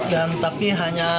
dan tapi hanya